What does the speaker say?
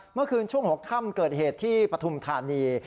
เมื่อคืนช่วงหัวค่ำเกิดเหตุที่ปฐุมธานี